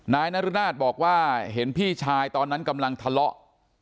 นายนรุนาศบอกว่าเห็นพี่ชายตอนนั้นกำลังทะเลาะ